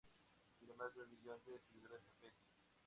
Tiene más de un millón de seguidores en "Facebook".